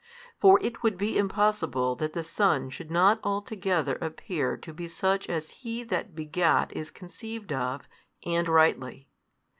For it would be impossible that the Son should not altogether appear to be such as He That begat is conceived of, and rightly.